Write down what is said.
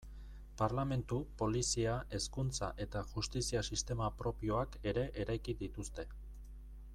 Parlementu, polizia, hezkuntza eta justizia sistema propioak ere eraiki dituzte.